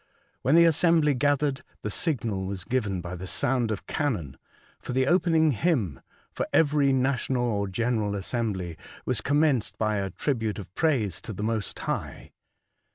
When the assembly gathered, the signal was given, by the sound of cannon, for the opening hymn (for €very national or general assembly was com menced by a tribute of praise to the Most High).